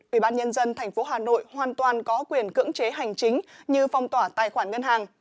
ubnd tp hà nội hoàn toàn có quyền cưỡng chế hành chính như phong tỏa tài khoản ngân hàng